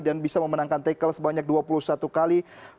dan bisa memenangkan tackle sebanyak dua puluh satu kali